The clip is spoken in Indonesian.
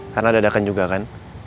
karena dadakan juga kan